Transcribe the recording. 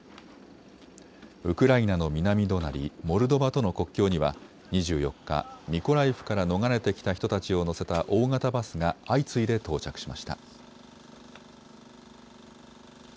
ウクライナの南隣、モルドバとの国境には２４日、ミコライフから逃れてきた人たちを乗せた大型バスが相次いで到着しました。